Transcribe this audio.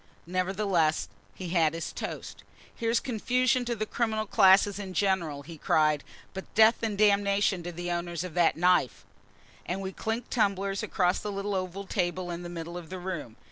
Nevertheless, he had his toast. "Here's confusion to the criminal classes in general," he cried; "but death and damnation to the owners of that knife!" And we clinked tumblers across the little oval table in the middle of the room.